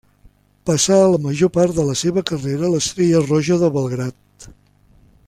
Passà la major part de la seva carrera a l'Estrella Roja de Belgrad.